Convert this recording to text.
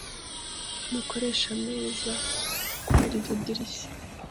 Ntukoreshe ameza kuriryo dirishya .